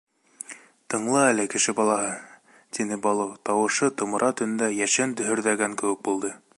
— Тыңла әле, кеше балаһы, — тине Балу, тауышы томра төндә йәшен дөһөрҙәгән кеүек булды.